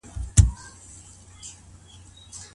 د سګرټ څکولو مخنیوی څنګه کیږي؟